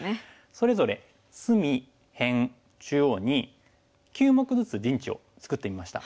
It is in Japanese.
それぞれ隅辺中央に９目ずつ陣地を作ってみました。